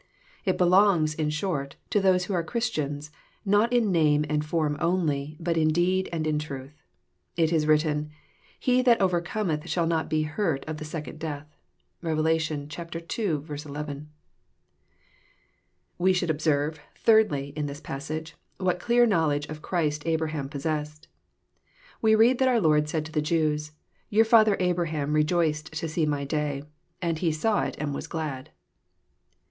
It belongs, in short, to those who are Christians, not in name and form only, but in deed and in truth. It is written, — ^'He that overcometh shall not be hurt of the second death." (Rev. ii. 11.) We should observe, thirdly, in this passage, what dear knowledge of Christ Abraham possessed. We read that our Lord said to the Jews, ^^Tour father Abraham r^oiced to see My day : and he saw it and was glad."